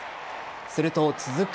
すると続く